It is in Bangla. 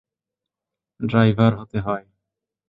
ড্রাইভার হতে হয়।